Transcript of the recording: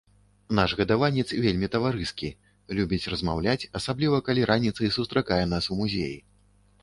Наш гадаванец вельмі таварыскі, любіць размаўляць, асабліва калі раніцай сустракае нас у музеі.